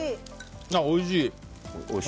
おいしい。